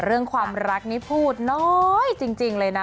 เรื่องความรักนี้พูดน้อยจริงเลยนะ